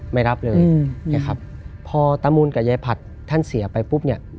ไม่รับเลยพอตมรุนกับยายผัดท่านเสียไปปุ๊บเนี่ย